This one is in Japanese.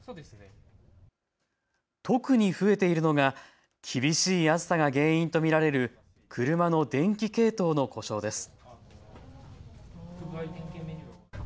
特に増えているのが厳しい暑さが原因と見られる車の電気系統の故障です。